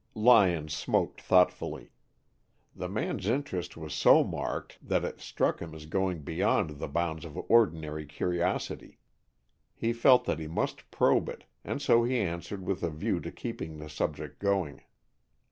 Lyon smoked thoughtfully. The man's interest was so marked that it struck him as going beyond the bounds of ordinary curiosity. He felt that he must probe it, and so he answered with a view to keeping the subject going.